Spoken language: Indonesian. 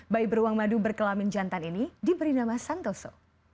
bayi beruang madu berkelamin jantan ini diberi nama santoso